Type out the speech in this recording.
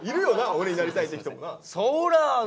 俺になりたいって人もな？